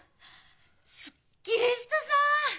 すっきりしたさぁ！